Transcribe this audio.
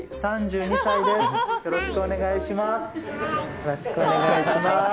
よろしくお願いします。